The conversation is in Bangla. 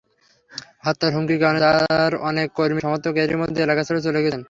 হত্যার হুমকির কারণে তাঁর অনেক কর্মী-সমর্থক এরই মধ্যে এলাকা ছেড়ে চলে গেছেন।